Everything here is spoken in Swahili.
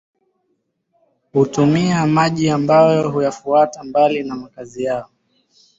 Hutumia maji ambayo huyafuata mbali na makazi yao